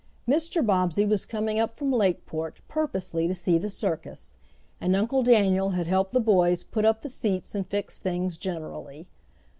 Mr. Bobbsey was coming up from Lakeport purposely to see the circus, and Uncle Daniel had helped the boys put up the seats and fix things generally.